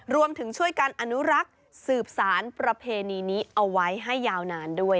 รวมถึงช่วยกันอนุรักษ์สืบสารประเพณีนี้เอาไว้ให้ยาวนานด้วย